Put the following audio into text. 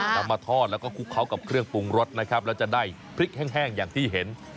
นำมาทอดแล้วก็คลุกเคล้ากับเครื่องปรุงรสนะครับแล้วจะได้พริกแห้งอย่างที่เห็น